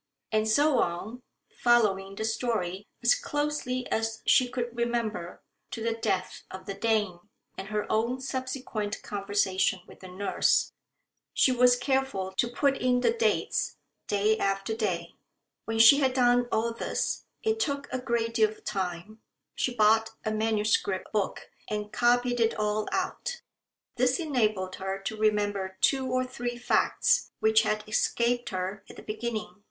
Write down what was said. And so on, following the story as closely as she could remember, to the death of the Dane and her own subsequent conversation with the nurse. She was careful to put in the dates, day after day. When she had done all this it took a good deal of time she bought a manuscript book and copied it all out. This enabled her to remember two or three facts which had escaped her at the beginning.